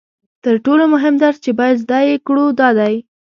تر ټولو مهم درس چې باید زده یې کړو دا دی